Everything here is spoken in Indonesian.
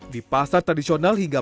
di pasar tradisional hingga